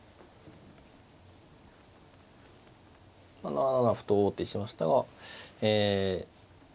７七歩と王手しましたがえそうですね